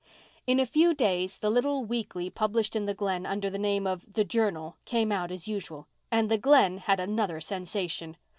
In a few days the little weekly published in the Glen under the name of The Journal came out as usual, and the Glen had another sensation.